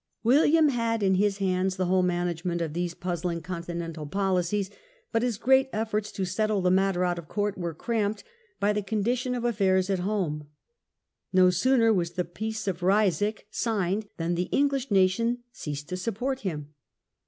William had in his hands the whole management of these puzzling continental politics, but his next efforts to Reaction in settle the matter out of court were cramped England. \yy ^\^q condition of affairs at home. No sooner was the Peace of Ryswick signed than the Eng lish nation ceased to support him.